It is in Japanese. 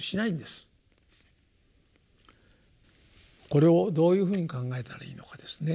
これをどういうふうに考えたらいいのかですね。